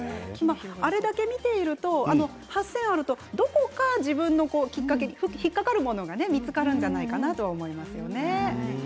あれだけ見ていると８０００あるとどこか自分のきっかけに引っ掛かるものが見つかるんじゃないかなと思いますよね。